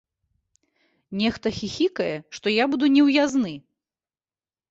Нехта хіхікае, што я буду неўязны.